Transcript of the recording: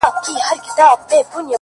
• خو بدرنګه وو دا یو عیب یې په کور وو ,